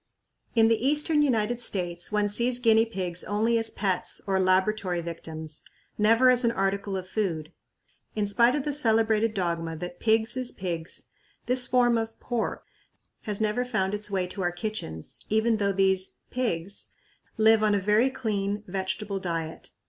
In the eastern United States one sees guinea pigs only as pets or laboratory victims; never as an article of food. In spite of the celebrated dogma that "Pigs is Pigs," this form of "pork" has never found its way to our kitchens, even though these "pigs" live on a very clean, vegetable diet.